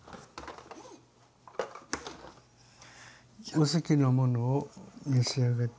お好きなものを召し上がって。